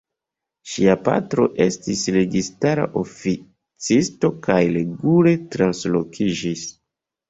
Ŝia patro estis registara oficisto kaj regule translokiĝis.